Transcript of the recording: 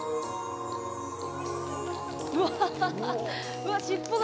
うわ尻尾だ！